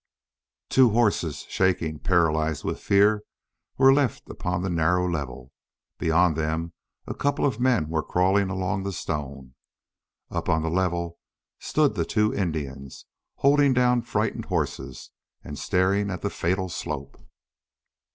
Two horses, shaking, paralyzed with fear, were left upon the narrow level. Beyond them a couple of men were crawling along the stone. Up on the level stood the two Indians, holding down frightened horses, and staring at the fatal slope.